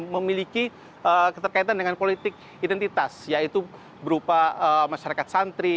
memiliki keterkaitan dengan politik identitas yaitu berupa masyarakat santri